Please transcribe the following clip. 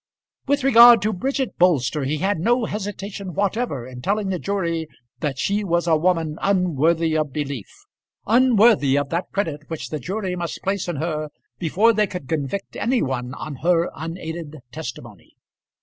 With regard to Bridget Bolster, he had no hesitation whatever in telling the jury that she was a woman unworthy of belief, unworthy of that credit which the jury must place in her before they could convict any one on her unaided testimony.